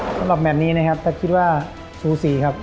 สำหรับแมทนี้นะครับถ้าคิดว่าสูสีครับ